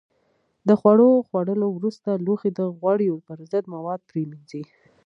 د خوړو خوړلو وروسته لوښي د غوړیو پر ضد موادو پرېمنځئ.